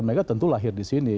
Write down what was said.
mereka tentu lahir di sini